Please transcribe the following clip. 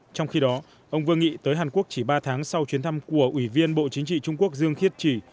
trong khi đó ông vương nghị tới hàn quốc chỉ ba tháng sau chuyến thăm của ủy viên bộ chính trị trung quốc dương khiết trì